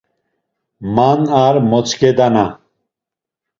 Man ar motzǩedana.